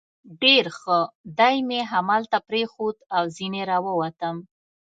ډېر ښه، دی مې همدلته پرېښود او ځنې را ووتم.